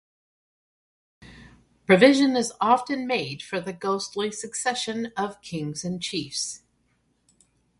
Provision is often made for the ghostly succession of kings and chiefs.